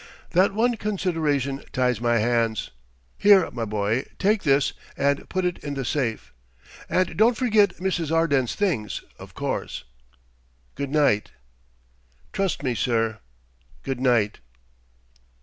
"That one consideration ties my hands.... Here, my boy: take this and put it in the safe and don't forget Mrs. Arden's things, of course. Good night." "Trust me, sir. Good night."